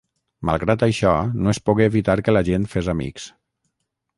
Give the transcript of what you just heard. Malgrat això no es pogué evitar que la gent fes amics.